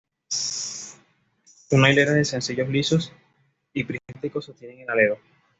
Una hilera de canecillos lisos y prismáticos sostienen el alero.